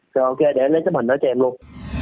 rồi ok để lấy tấm hình đó cho em luôn